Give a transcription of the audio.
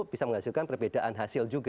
bisa menghasilkan perbedaan hasil juga